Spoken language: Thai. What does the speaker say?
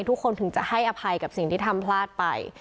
ทุกคนถึงจะให้อภัยกับสิ่งที่ทำพลาดไป